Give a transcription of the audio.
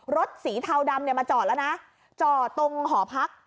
รถสีธาวดำได้มาจอดละนะจอดตรงห่อพัก